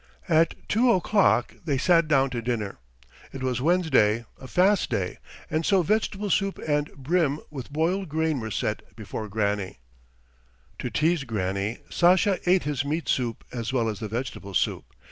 At two o'clock they sat down to dinner. It was Wednesday, a fast day, and so vegetable soup and bream with boiled grain were set before Granny. To tease Granny Sasha ate his meat soup as well as the vegetable soup.